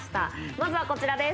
まずはこちらです。